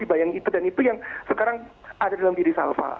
dibayang itu dan itu yang sekarang ada dalam diri salva